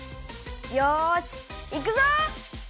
よしいくぞ！